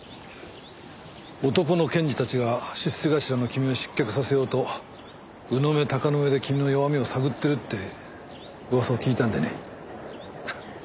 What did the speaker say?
男の検事たちが出世頭の君を失脚させようと鵜の目鷹の目で君の弱みを探っているって噂を聞いたんでね。